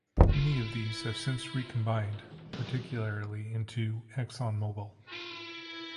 Many of these have since recombined, particularly into ExxonMobil.